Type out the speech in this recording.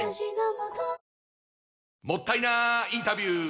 もったいなインタビュー！